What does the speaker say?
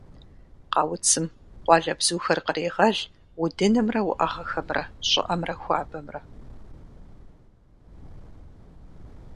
Къэуцым къуалэбзухэр кърегъэл удынымрэ уӏэгъэхэмрэ, щӏыӏэмрэ хуабэмрэ.